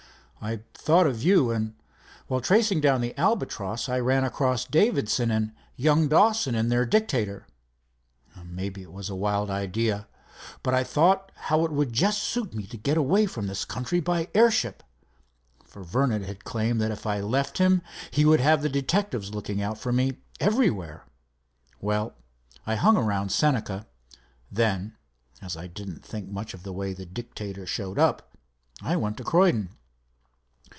"I thought of you, and while tracing down the Albatross I ran across Davidson and young Dawson and their Dictator. Maybe it was a wild idea, but I thought how it would just suit me to get away from this country by airship, for Vernon had claimed that if I left him he would have the detectives looking out for me everywhere. Well, I hung around Senca. Then, as I didn't think much of the way the Dictator showed up, I went to Croydon."